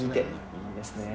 いいですね。